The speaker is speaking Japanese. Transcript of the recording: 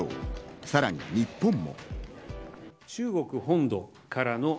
さらに日本も。